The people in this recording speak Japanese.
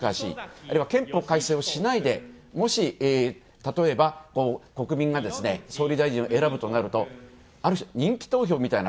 あるいは憲法改正をしないでもし、例えば、国民が総理大臣を選ぶとなるとある種、人気投票みたいな。